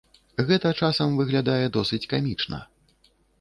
Гэта часам выглядае досыць камічна.